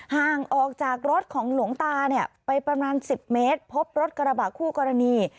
ห่างออกจากรถของหลวงตาเนี่ยไปประมาณ๑๐เมตรพบรถกระบะคู่กรณี